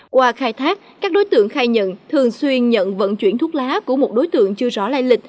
qua khai thác các đối tượng khai nhận thường xuyên nhận vận chuyển thuốc lá của một đối tượng chưa rõ lai lịch